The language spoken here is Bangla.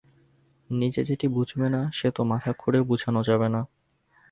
নিজে যেটি বুঝবে না সে তো মাথা খুঁড়েও বুঝানো যাবে না।